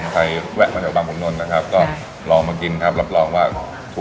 ก็ถูกจริงมันให้เยอะด้วย